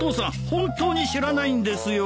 本当に知らないんですよ。